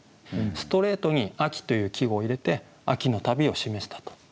ストレートに「秋」という季語を入れて「秋の旅」を示したと。